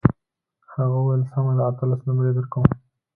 هغه وویل سمه ده اتلس نمرې درکوم.